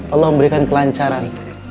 allah memberikan kelancaran